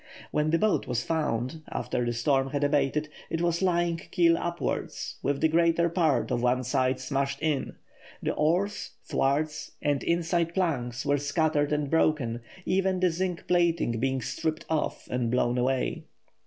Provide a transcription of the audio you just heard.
When the boat was found, after the storm had abated, it was lying keel upwards, with the greater part of one side smashed in. The oars, thwarts, and inside planks were scattered and broken, even the zinc plating being stripped off and blown away.